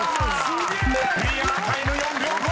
［クリアタイム４秒５！］